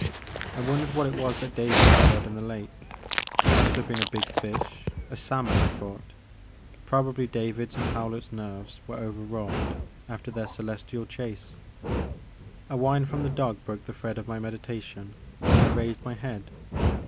I wondered what it was that David had heard in the lake. It must have been a big fish, a salmon, I thought ; probably David's and Hewlett's nerves were overwrought after their Celestial chase. A whine from the dog broke the thread of my meditation and I raised my head.